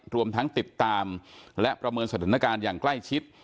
รวมทั้งติดตามและประเมินสถานการณ์อย่างใกล้ชิด